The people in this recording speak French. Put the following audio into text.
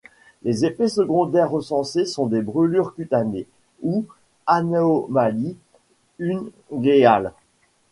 Les effets secondaires recensés sont des brûlures cutanées ou anomalies unguéales.